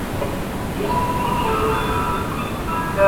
যখন-তখন সাপ বের হলে এইখানে থাকব কীভাবে?